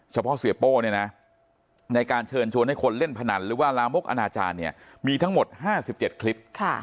เฉพาะเสียโป้เนี่ยนะในการเชิญชวนให้คนเล่นพนันหรือว่าลามกอนาจารย์เนี่ยมีทั้งหมด๕๗คลิป